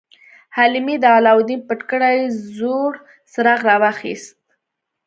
حلیمې د علاوالدین پټ کړی زوړ څراغ راواخیست.